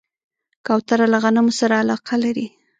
کوتره له غنمو سره علاقه لري.